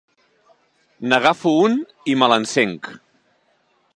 N'agafo un i me l'encenc.